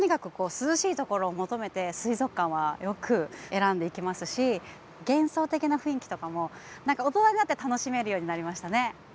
涼しいところを求めて水族館はよく選んで行きますし幻想的な雰囲気とかも大人になって楽しめるようになりましたね。